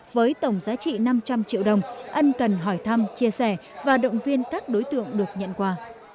với tổng giá trị năm trăm linh triệu đồng ân cần hỏi thăm chia sẻ và động viên các đối tượng được nhận quà